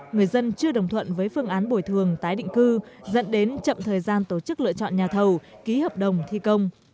người dân chưa đồng thuận với phương án bồi thường tái định cư dẫn đến chậm thời gian tổ chức lựa chọn nhà thầu ký hợp đồng thi công